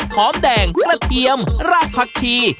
หอมแดงกระเทียมรากผักชี